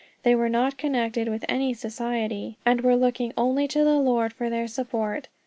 They were not connected with any Society, and were looking only to the Lord for their support.